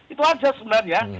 itu aja sebenarnya